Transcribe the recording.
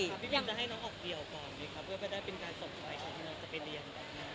พี่คุณจะให้น้องออกเดียวก่อนดีครับ